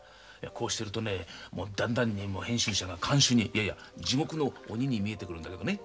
こうしてるとねだんだんに編集者が看守にいやいや地獄の鬼に見えてくるんだけどね。